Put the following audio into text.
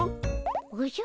おじゃ？